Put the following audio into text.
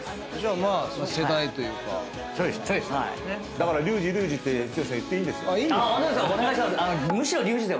だからリュウジリュウジって剛さん言っていいんですよ。